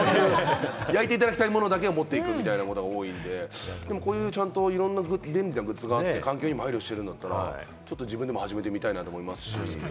焼いていただきたいものだけを持っていくというのが多いので、ちゃんといろんな便利なグッズがあって、環境にも配慮してるんだったら、自分でも始めてみたいなと思いますし。